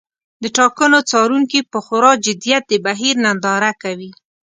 د ټاکنو څارونکي په خورا جدیت د بهیر ننداره کوي.